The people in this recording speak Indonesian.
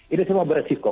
ini semua beresiko